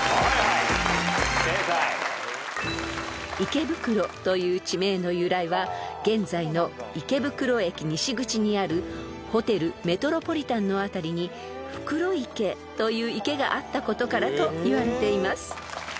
［池袋という地名の由来は現在の池袋駅西口にあるホテルメトロポリタンの辺りに袋池という池があったことからといわれています］